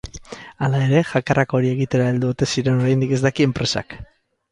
Hala ere, hackerrak hori egitera heldu ote ziren oraindik ez daki enpresak.